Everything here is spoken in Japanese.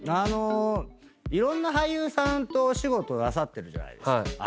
いろんな俳優さんとお仕事なさってるじゃないですか。